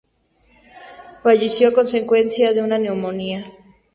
Falleció a consecuencia de una neumonía.